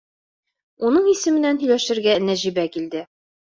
Уның исеменән һөйләшергә Нәжибә килде.